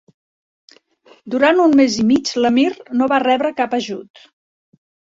Durant un mes i mig l'emir no va rebre cap ajut.